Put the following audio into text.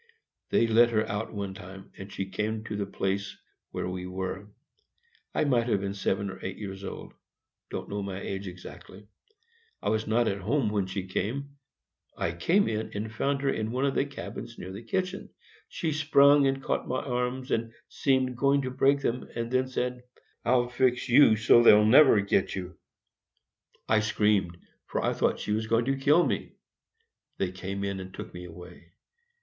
They let her out one time, and she came to the place where we were. I might have been seven or eight years old,—don't know my age exactly. I was not at home when she came. I came in and found her in one of the cabins near the kitchen. She sprung and caught my arms, and seemed going to break them, and then said, "I'll fix you so they'll never get you!" I screamed, for I thought she was going to kill me; they came in and took me away.